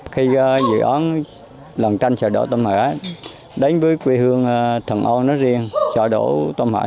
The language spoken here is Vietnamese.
khi dự án lòng tranh xã đảo tâm hải đánh với quê hương thần ô nó riêng xã đảo tâm hải